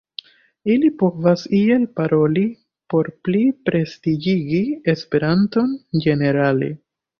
Ili povas iel paroli por pli prestiĝigi esperanton ĝenerale.